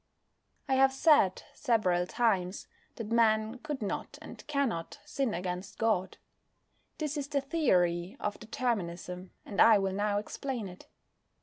I have said several times that Man could not and cannot sin against God. This is the theory of Determinism, and I will now explain it.